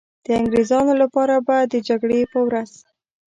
د انګریزانو لپاره به د جګړې په ورځ.